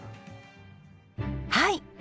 はい。